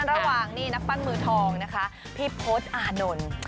ระหว่างนี่นักปั้นมือทองนะคะพี่พศอานนท์